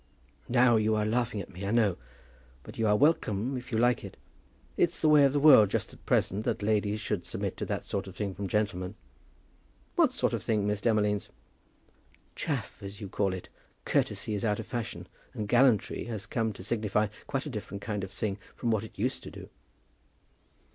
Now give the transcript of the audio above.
"Now you are laughing at me, I know; but you are welcome, if you like it. It's the way of the world just at present that ladies should submit to that sort of thing from gentlemen." "What sort of thing, Miss Demolines?" "Chaff, as you call it. Courtesy is out of fashion, and gallantry has come to signify quite a different kind of thing from what it used to do."